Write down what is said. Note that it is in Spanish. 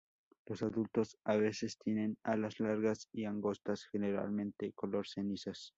Los adultos a veces tienen alas largas y angostas, generalmente color cenizas.